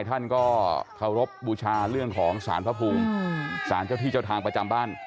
ท่านก็เคารพบูชาเรื่องของสารพระภูมิสารเจ้าที่เจ้าทางประจำบ้าน